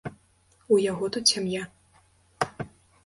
У яго тут сям'я.